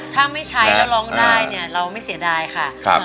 ถ้าไม่ใช้แล้วร้องได้เนี่ยเราไม่เสียดายค่ะ